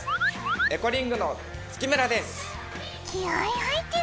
エコリングの月村です。